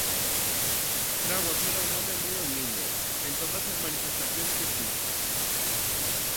Fraguas era un home moi humilde en todas as manifestacións que fixo.